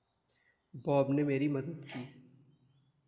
Bob ने मेरी मदद की।